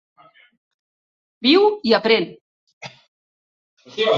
Viu i aprèn.